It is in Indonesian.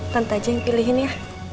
tante aja yang pilihin ya